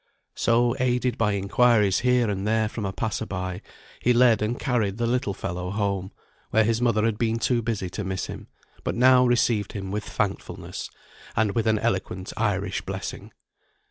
So, aided by inquiries here and there from a passer by, he led and carried the little fellow home, where his mother had been too busy to miss him, but now received him with thankfulness, and with an eloquent Irish blessing.